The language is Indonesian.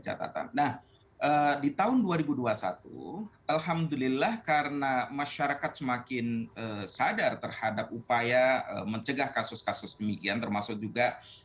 catatan nah di tahun dua ribu dua puluh satu alhamdulillah karena masyarakat semakin berani mengalami kesusahan dan kesusahan yang dan kemudian bisa menempelkan kembali ke masyarakat di bagian kedua tahun ketinggangan ini